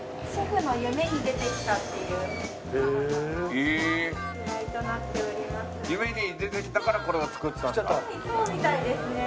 夢に出てきたからこれを作っちゃった？